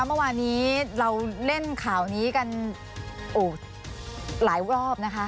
เมื่อวานนี้เราเล่นข่าวนี้กันหลายรอบนะคะ